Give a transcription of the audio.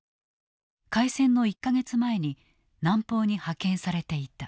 開戦の１か月前に南方に派遣されていた。